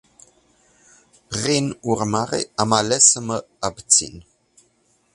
Prin urmare, am ales să mă abțin.